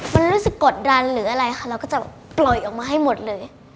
มันรู้สึกกดดันหรืออะไรค่ะเราก็จะปล่อยออกมาให้หมดเลย